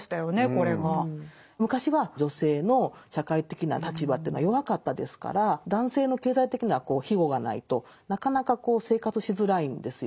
昔は女性の社会的な立場というのは弱かったですから男性の経済的な庇護がないとなかなか生活しづらいんですよね。